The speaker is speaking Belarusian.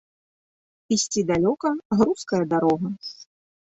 Ісці далёка, грузкая дарога.